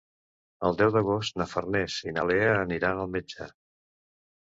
El deu d'agost na Farners i na Lea aniran al metge.